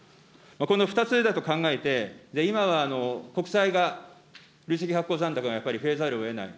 この２つだと考えて、今は国債が累積発行残高がやっぱり増えざるをえない。